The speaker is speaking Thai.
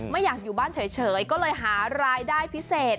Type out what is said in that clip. ไม่อยากอยู่บ้านเฉยก็เลยหารายได้พิเศษ